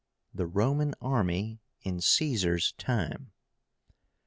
THE ROMAN ARMY IN CAESAR'S TIME.